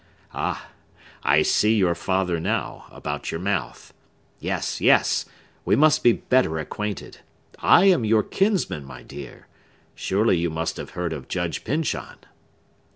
Ah, I see your father now, about your mouth! Yes, yes! we must be better acquainted! I am your kinsman, my dear. Surely you must have heard of Judge Pyncheon?"